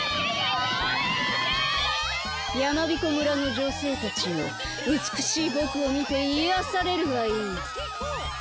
やまびこ村のじょせいたちようつくしいぼくをみていやされるがいい！